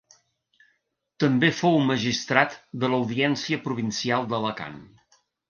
També fou magistrat de l'Audiència Provincial d'Alacant.